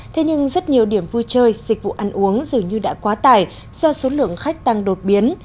thế nhưng rất nhiều điểm vui chơi dịch vụ ăn uống dường như đã quá tải do số lượng khách tăng đột biến